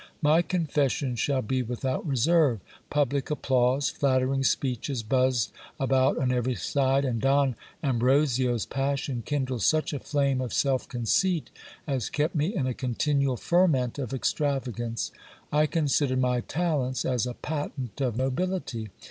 My confession shall be without reserve : public applause, flattering speeches buzzed about on every side, and Don Ambrosio's passion kindled such a flame of self conceit as kept me in a continual ferment of extravagance. I considered my talents as a patent of nobility.